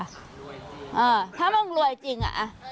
ถ้ามันรวยจริงอ่ะเออถ้ามันรวยจริงอ่ะเออ